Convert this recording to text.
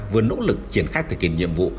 vừa nỗ lực triển khai thực hiện nhiệm vụ